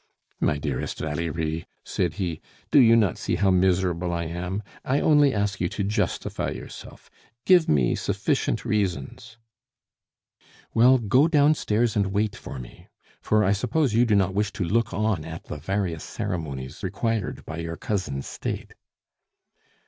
"My dearest Valerie," said he, "do you not see how miserable I am? I only ask you to justify yourself. Give me sufficient reasons " "Well, go downstairs and wait for me; for I suppose you do not wish to look on at the various ceremonies required by your cousin's state."